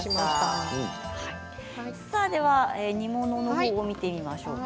煮物のほうを見てみましょうか。